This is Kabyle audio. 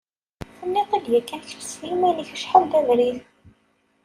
Tenniḍ-t-id yakan kečč s yiman-ik acḥal d abrid.